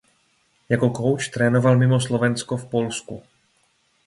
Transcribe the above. Jako kouč trénoval mimo Slovensko v Polsku.